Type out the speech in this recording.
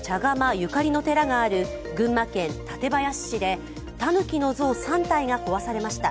ゆかりの寺がある群馬県館林市でたぬきの像３体が壊されました。